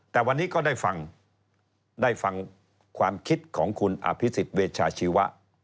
แต่วันนี้ก็ได้ฟังได้ฟังความคิดของคุณอภิษฎเวชาชีวะ